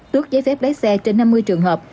tước giấy phép lái xe trên năm mươi trường hợp